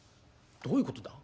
どういうことだ？